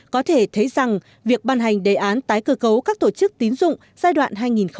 có thể thấy rằng việc ban hành đề án tái cơ cấu các tổ chức tín dụng giai đoạn hai nghìn một mươi sáu hai nghìn hai mươi